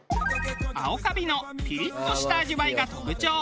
青カビのピリッとした味わいが特徴。